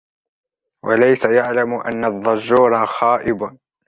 وَلَيْسَ يَعْلَمُ أَنَّ الضَّجُورَ خَائِبٌ